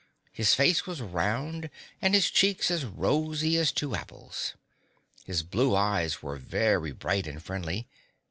His face was round and his cheeks as rosy as two apples. His blue eyes were very bright and friendly.